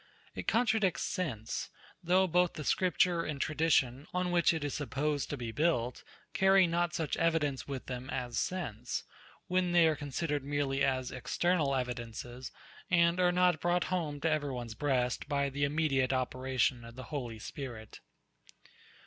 It contradicts sense, though both the scripture and tradition, on which it is supposed to be built, carry not such evidence with them as sense; when they are considered merely as external evidences, and are not brought home to every one's breast, by the immediate operation of the Holy Spirit.